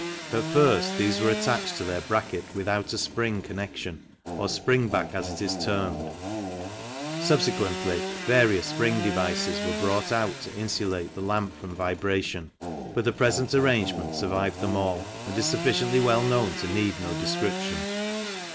At first, these were attached to their bracket without a spring con nect 'on, or spring back as it is termed. Subsequently, various spring devices were brought out to insulate the lamp from vibration ; but the present arrangement survived them all, and is sufficiently well known to need no description.